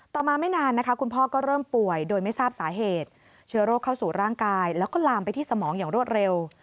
มาไม่นานนะคะคุณพ่อก็เริ่มป่วยโดยไม่ทราบสาเหตุเชื้อโรคเข้าสู่ร่างกายแล้วก็ลามไปที่สมองอย่างรวดเร็ว